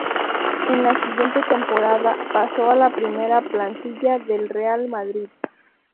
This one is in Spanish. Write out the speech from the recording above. En la siguiente temporada pasó a la primera plantilla del Real Madrid.